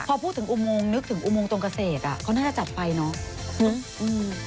พอพูดถึงอุโมงตรงเกษตรนึกถึงอุโมงตรงเกษตรเขาน่าจะจัดไฟเนอะ